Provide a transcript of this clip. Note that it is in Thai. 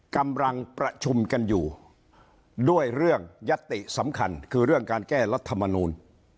กำลังประชุมกันอยู่ด้วยเรื่องยัตติสำคัญคือเรื่องการแก้รัฐมนูล